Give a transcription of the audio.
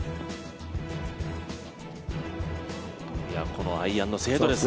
このアイアンの精度ですね。